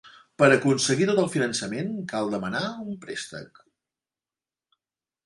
Per aconseguir tot el finançament, cal demanar un préstec.